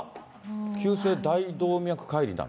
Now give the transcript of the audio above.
急性大動脈解離なの？